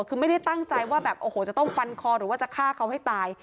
คือไม่ได้ตั้งใจว่าแบบโอ้โหจะต้องฟันคอหรือว่าจะฆ่าเขาให้ตาย